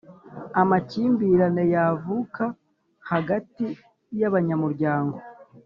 Amakimbirane yavuka hagati y abanyamuryango